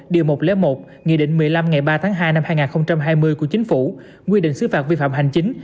điều một trăm linh một nghị định một mươi năm ngày ba tháng hai năm hai nghìn hai mươi của chính phủ quy định xứ phạt vi phạm hành chính